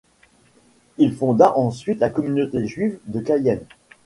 Il fonda ensuite la communauté juive de Cayenne.